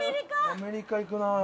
アメリカいくなあ。